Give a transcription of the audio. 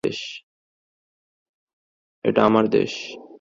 এটা আমার দেশ।